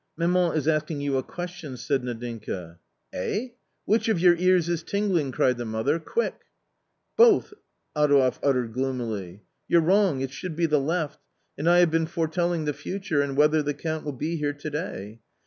" Maman is asking you a question," said Nadinka. " Eh ?"" Which of your ears is tingling ?" cried the mother —" quick 1 »" Both !" Adouev uttered gloomily. u Your'e wrong — it should be the left ! And I have been foretelling the future, and whether the Count will be here to day."